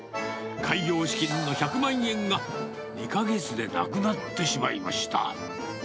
開業資金の１００万円が、２か月でなくなってしまいました。